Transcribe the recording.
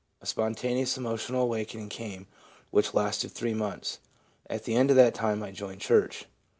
A spon taneous emotional awakening came which lasted three months. At the end of that time I joined church.